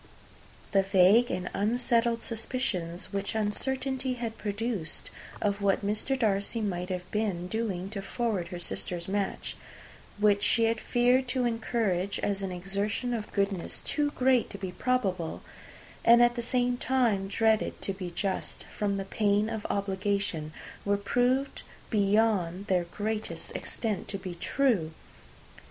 The vague and unsettled suspicions which uncertainty had produced, of what Mr. Darcy might have been doing to forward her sister's match which she had feared to encourage, as an exertion of goodness too great to be probable, and at the same time dreaded to be just, from the pain of obligation were proved beyond their greatest extent to be true!